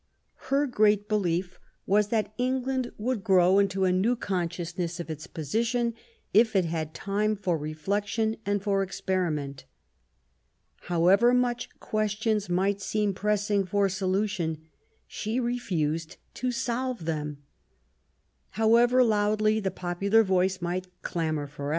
Her great belief was that England would grow into a new consciousness of its position, if it had time for reflection and for experiment. However much questions might seem pressing for solution, she refused to solve them. However loudly the popular voice might clamour for .